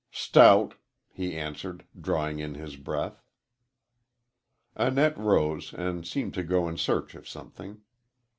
"Stout," he answered, drawing in his breath. Annette rose and seemed to go in search of something.